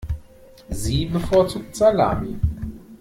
Sie bevorzugt Salami.